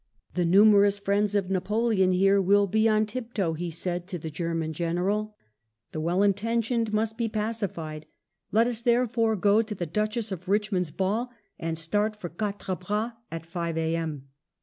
" The numerous friends of Napoleon here will be on tiptoe," he said to the German General, "the well intentioned must be pacified; let us therefore go to the Duchess of Eichmond's ball, and start for Quatre Bras at 5 A.M."